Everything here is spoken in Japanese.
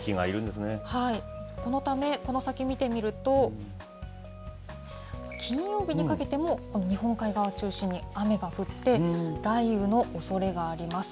このため、この先見てみると、金曜日にかけても、日本海側を中心に雨が降って、雷雨のおそれがあります。